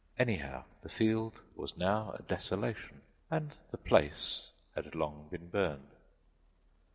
Anyhow, the field was now a desolation and the Place had long been burned.